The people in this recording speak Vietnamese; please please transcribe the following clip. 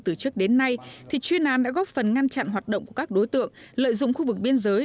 từ trước đến nay thì chuyên án đã góp phần ngăn chặn hoạt động của các đối tượng lợi dụng khu vực biên giới